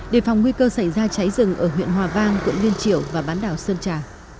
đề phòng nguy cơ xảy ra cháy rừng ở huyện hòa vang quận liên triểu và bán đảo sơn trà